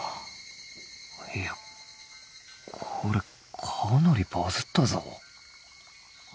いやこれかなりバズったぞ。